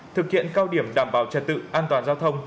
thực hiện cao điểm đảm bảo trật tự an toàn giao thông